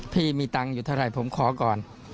พี่มีตังค์อยู่เท่าไหร่ผมขอก่อน